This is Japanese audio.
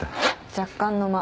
若干の間。